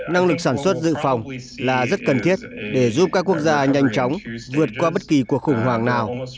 năng lực sản xuất dự phòng là rất cần thiết để giúp các quốc gia nhanh chóng vượt qua bất kỳ cuộc khủng hoảng nào